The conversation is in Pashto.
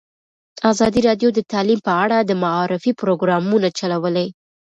ازادي راډیو د تعلیم په اړه د معارفې پروګرامونه چلولي.